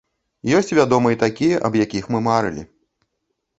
Ёсць вядома і такія, аб якіх мы марылі.